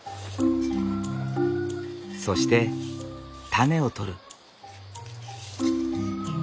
そしてタネを取る。